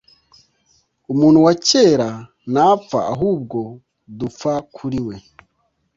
Umuntu wa kera” ntapfa ahubwo dupfa kuri we.